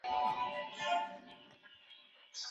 کله چې ښوونځي پاک او خوندي وي، زده کوونکي پکې آرامه پاتې کېږي.